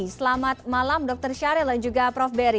selamat malam dr syahril dan juga prof beri